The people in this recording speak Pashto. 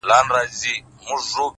ما ويل ددې به هېرول نه وي زده،